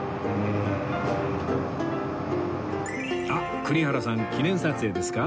あっ栗原さん記念撮影ですか？